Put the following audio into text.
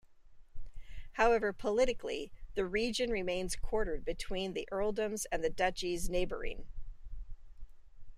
However, politically, the region remains quartered between the earldoms and the duchies neighbouring.